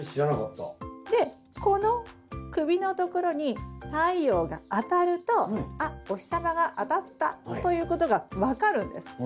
でこの首のところに太陽が当たるとあっお日様が当たったということが分かるんです。